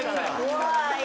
怖い。